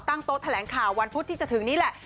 โต๊ะแถลงข่าววันพุธที่จะถึงนี้แหละ